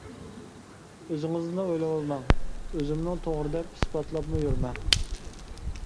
ئۆزىڭىزنىلا ئويلىۋالماڭ، ئۆزۈمنىڭ توغرا دەپ ئىسپاتلاپمۇ يۈرمەڭ.